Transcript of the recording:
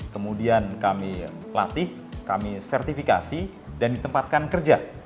kemudian kami latih kami sertifikasi dan ditempatkan kerja